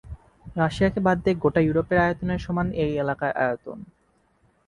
রাশিয়াকে বাদ দিয়ে গোটা ইউরোপের আয়তনের সমান এই এলাকার আয়তন।